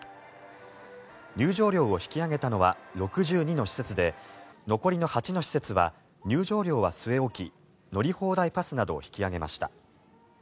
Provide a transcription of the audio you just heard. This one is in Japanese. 入場料を引き上げたのは６２の施設で残りの８の施設は入場料は据え置き乗り放題パスなどを引き上げました。